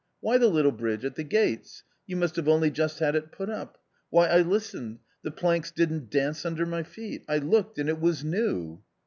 " Why the little bridge at the gates ! You must have only just had it put up. Why, I listened — the planks didn't dance under my feet. I looked, and it was new